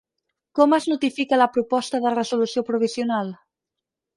Com es notifica la proposta de resolució provisional?